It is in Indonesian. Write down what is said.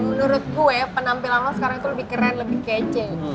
menurut gue penampilan lo sekarang itu lebih keren lebih kejeng